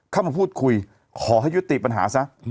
เข้ามาพูดคุยขอให้ยุติปัญหาซะ